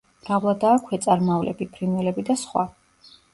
მრავლადაა ქვეწარმავლები, ფრინველები და სხვა.